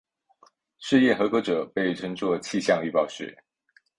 试验合格者被称作气象预报士。